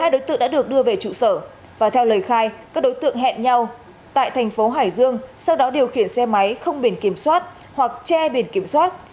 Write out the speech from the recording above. hai đối tượng đã được đưa về trụ sở và theo lời khai các đối tượng hẹn nhau tại thành phố hải dương sau đó điều khiển xe máy không biển kiểm soát hoặc che biển kiểm soát